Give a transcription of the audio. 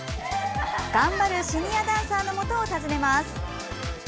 頑張るシニアダンサーのもとを訪ねます。